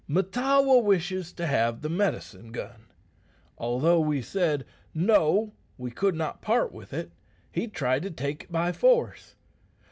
Mahtawa wishes to have the medicine gun. Although we said, No, we could not part with it, he tried to take it by force.